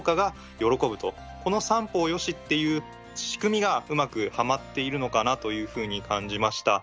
この三方よしっていう仕組みがうまくはまっているのかなというふうに感じました。